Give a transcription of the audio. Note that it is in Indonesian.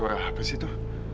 suara apa sih itu